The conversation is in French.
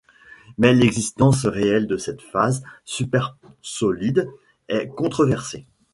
Mais l'existence réelle de cette phase supersolide est controversée.